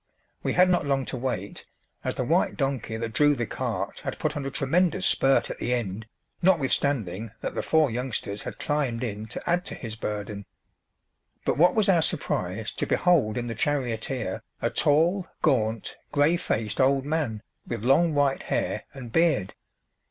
We had not long to wait, as the white donkey that drew the cart had put on a tremendous spurt at the end, notwithstanding that the four youngsters had climbed in to add to his burden. But what was our surprise to behold in the charioteer a tall, gaunt, grey faced old man with long white hair and beard!